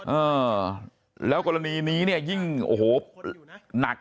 เออแล้วกรณีนี้ยิ่งหนักเลย